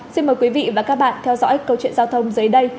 xin mời quý vị và các bạn theo dõi câu chuyện giao thông dưới đây